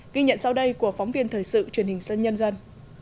ghi nhận sau đây của phóng viên thời sự truyền hình sân nhân dân